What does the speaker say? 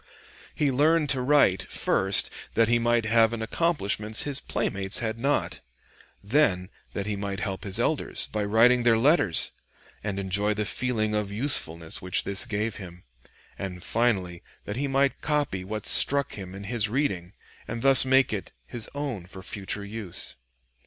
He learned to write, first, that he might have an accomplishment his playmates had not; then that he might help his elders by writing their letters, and enjoy the feeling of usefulness which this gave him; and finally that he might copy what struck him in his reading and thus make it his own for future use.